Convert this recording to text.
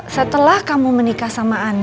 setelah kamu menikah sama anak